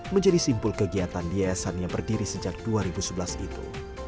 menjadi simpul kegiatan di yayasan yang berdiri sejak dua ribu sebelas itu